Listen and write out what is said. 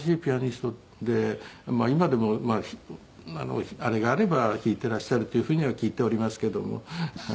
まあ今でもあれがあれば弾いていらっしゃるというふうには聞いておりますけども。